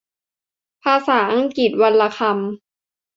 ภาษาอังกฤษวันละคำ